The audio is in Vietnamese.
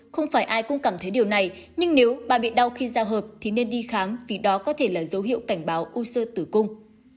không phải ai cũng cảm thấy điều này nhưng nếu bà bị đau khi giao hợp thì nên đi khám vì đó có thể là dấu hiệu cảnh báo u sơ tử cung